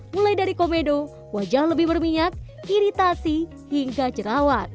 mulai dari komedo wajah lebih berminyak iritasi hingga jerawat